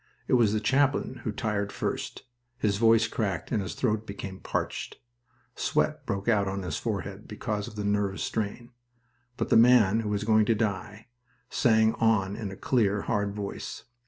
It was the chaplain who tired first. His voice cracked and his throat became parched. Sweat broke out on his forehead, because of the nervous strain. But the man who was going to die sang on in a clear, hard voice.